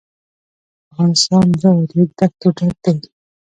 افغانستان له دغو ریګ دښتو ډک دی.